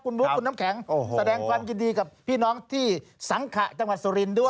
คุณบุ๊คคุณน้ำแข็งแสดงความยินดีกับพี่น้องที่สังขะจังหวัดสุรินทร์ด้วย